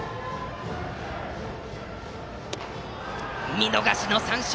見逃しの三振！